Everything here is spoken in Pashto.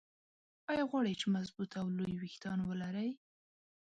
ايا غواړئ چې مضبوط او لوى ويښتان ولرى؟